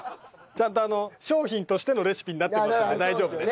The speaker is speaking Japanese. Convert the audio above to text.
ちゃんと商品としてのレシピになってますので大丈夫です。